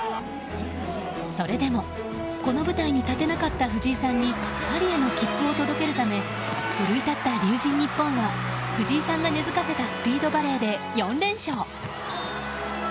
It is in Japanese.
それでも、この舞台に立てなかった藤井さんにパリへの切符を届けるため奮い立った龍神ＮＩＰＰＯＮは藤井さんが根付かせたスピードバレーで４連勝！